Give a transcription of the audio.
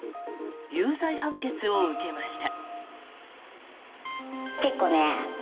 有罪判決を受けました。